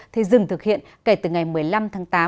thì dừng thực hiện kể từ ngày một mươi năm tháng tám